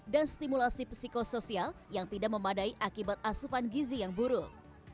dan stimulasi psikosoial yang tidak memadai akibat asupan gizi yang buruk